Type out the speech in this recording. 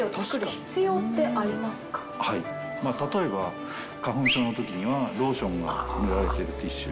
はい例えば花粉症のときにはローションが塗られているティッシュ